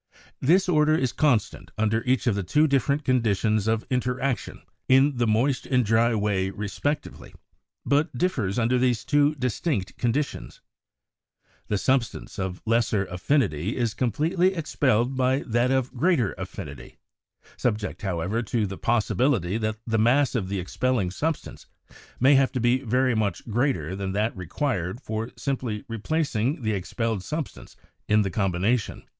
(2) This order is constant under each of the two different conditions of interaction in the moist and dry way respectively, but differs under these two distinct conditions. (3) The sub stance of lesser affinity is completely expelled by that of greater affinity, subject, however, to the possibility that the mass of the expelling substance may have to be very much greater than that required for simply replacing the ex pelled substance in the combination.